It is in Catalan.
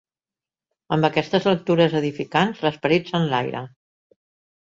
Amb aquestes lectures edificants, l'esperit s'enlaira.